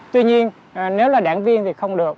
tuy nhiên nếu là đảng viên thì không được